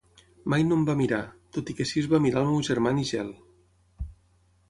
Mai no em va mirar, tot i que sí es va mirar el meu germà Nigel.